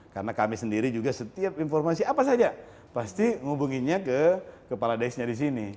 karena kami sendiri juga setiap informasi apa saja pasti menghubunginya ke para daisnya di sini